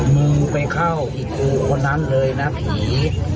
มึงไปเข้าอีกคือคนนั้นเลยนะผี